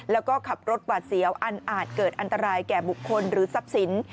แล้วก็ขับรถหวาดเสียวอันอาจเกิดอันตรายแก่บุคคลหรือทรัพย์สิน